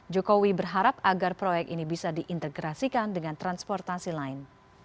jokowi berharap agar proyek ini bisa diintegrasikan dengan transportasi lain